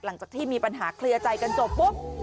หลังจากที่มีปัญหาเคลียร์ใจกันจบปุ๊บ